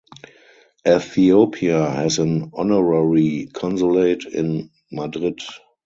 Ethiopia has an honorary consulate in Madrid.